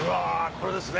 これですね。